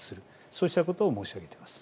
そうしたことを申し上げています。